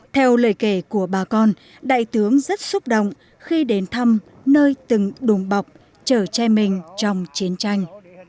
theo lời kể của bà con đại tướng rất xúc động khi đến thăm nơi từng đùng bọc chở che mình trong chiến tranh